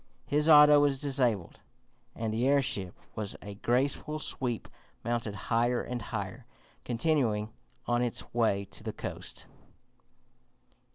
His auto was disabled, and the airship, with a graceful sweep, mounted higher and higher, continuing on its way to the coast.